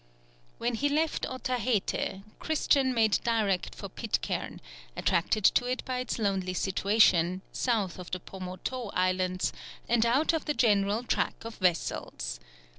When he left Otaheite, Christian made direct for Pitcairn, attracted to it by its lonely situation, south of the Pomautou Islands, and out of the general track of vessels.